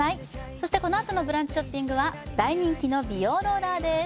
そしてこのあとのブランチショッピングは大人気の美容ローラーです